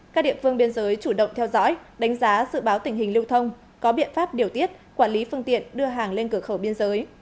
các địa phương biên giới chủ động theo dõi đánh giá dự báo tình hình lưu thông có biện pháp điều tiết quản lý phương tiện đưa hàng lên cửa khẩu biên giới